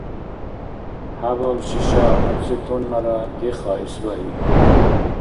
ХӀябал шиша ацетоннара диха, исбагьи.